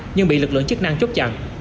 nhưng bị lực lượng chức năng chốt chặn